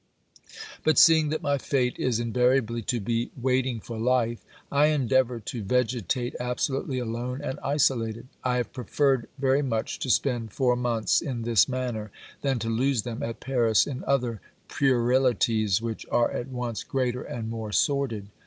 But seeing that my fate is invariably to be waiting for life, I endeavour to vegetate absolutely alone and isolated ; I have preferred very much to spend four months in this manner than to lose them at Paris in other puerilities which are at once greater and more sordid.